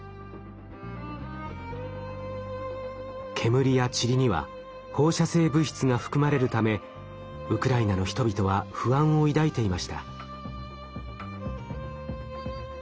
煙やちりには放射性物質が含まれるためウクライナの人々は不安を抱いていました。